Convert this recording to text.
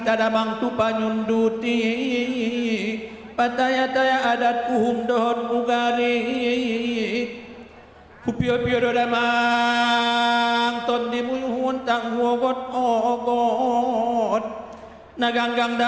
tentang prosesi ini saya ingin mengucapkan kepada anda